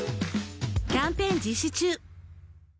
キャンペーン実施中。